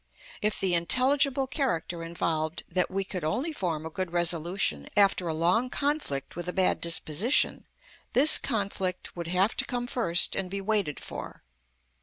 If the intelligible character involved that we could only form a good resolution after a long conflict with a bad disposition, this conflict would have to come first and be waited for.